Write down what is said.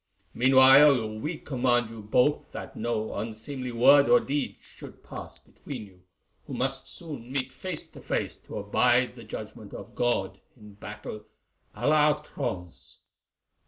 Meanwhile, we command you both that no unseemly word or deed should pass between you, who must soon meet face to face to abide the judgment of God in battle à l'outrance.